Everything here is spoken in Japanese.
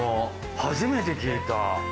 初めて聞いた。